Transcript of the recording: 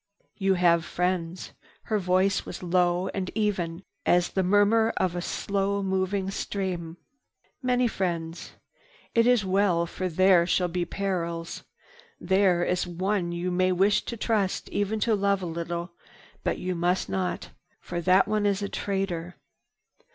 "You have friends." Her voice was low and even as the murmur of a slow moving stream. "Many friends. It is well, for there shall be perils. There is one you may wish to trust, even to love a little; but you must not, for that one is a traitor."